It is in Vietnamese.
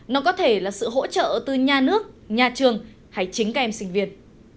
nó có thể là sự hỗ trợ từ nhà nước nhà trường hay chính các em sinh viên